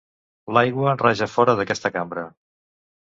L'aigua raja fora d'aquesta cambra.